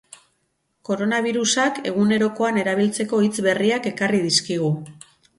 Koronabirusak egunerokoan erabiltzeko hitz berriak ekarri dizkigu.